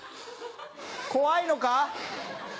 怖いのか？